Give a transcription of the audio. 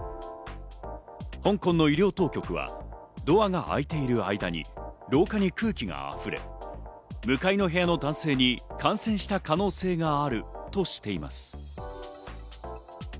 香港の医療当局はドアが開いている間に廊下に空気があふれ、向かいの部屋の男性に感染した可能性があるとしています。